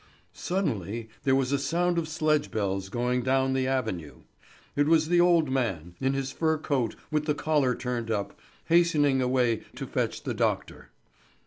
Suddenly there was a sound of sledge bells going down the avenue. It was the old man, in his fur coat with the collar turned up, hastening away to fetch the doctor.